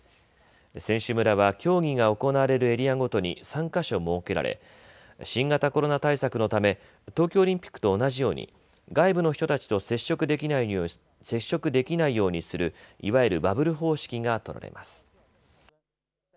選手村は競技が行われるエリアごとに３か所、設けられ新型コロナ対策のため東京オリンピックと同じように外部の人たちと接触できないようにする、いわゆるバブル方式が取られます。